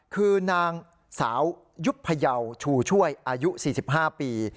คือนางสาวยุพยาวชูช่วยอายุ๔๕ปี